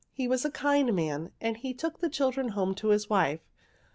He was a kind man, and he took the children home to his wife.